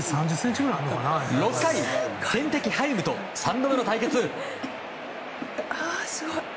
６回、天敵ハイムと３度目の対決。